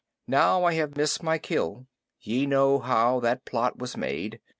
Now I have missed my kill. Ye know how that plot was made.